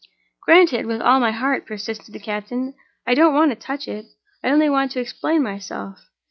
"Granted, with all my heart," persisted the captain. "I don't want to touch it—I only want to explain myself.